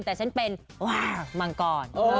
แต่ฉันเป็นว้าวน้ำตาล